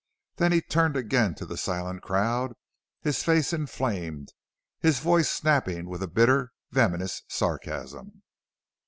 Then he turned again to the silent crowd, his face inflamed, his voice snapping with a bitter, venomous sarcasm.